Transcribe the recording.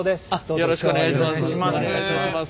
よろしくお願いします。